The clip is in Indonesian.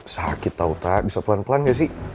sakit tau tau bisa pelan pelan gak sih